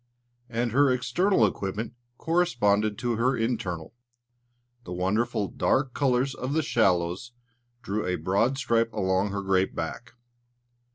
And her external equipment corresponded to her internal. The wonderful, dark colours of the shallows drew a broad stripe along her great back.